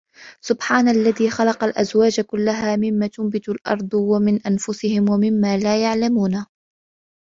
سُبْحَانَ الَّذِي خَلَقَ الْأَزْوَاجَ كُلَّهَا مِمَّا تُنْبِتُ الْأَرْضُ وَمِنْ أَنْفُسِهِمْ وَمِمَّا لَا يَعْلَمُونَ